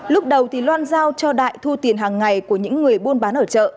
lúc đầu thì loan giao cho đại thu tiền hàng ngày của những người bôn bán ở chợ